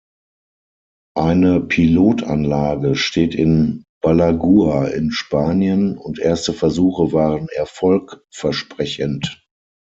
Eine Pilotanlage steht in Balaguer in Spanien und erste Versuche waren erfolgversprechend.